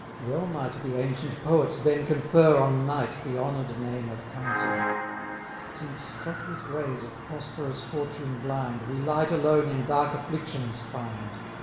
Well might the ancient poets then confer On Night the honour'd name of Counsellor, Since, struck with rays of prosperous fortune blind, We light alone in dark afflictions find.